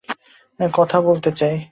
কথা বলতে চাই।